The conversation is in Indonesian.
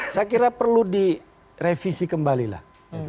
saya kira perlu direvisi kembali lah